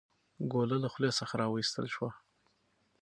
ګوله له خولې څخه راویستل شوه.